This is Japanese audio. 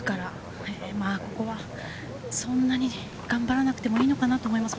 ここはそんなに頑張らなくてもいいのかなと思います。